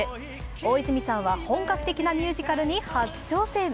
大泉さんは本格的なミュージカルに初挑戦。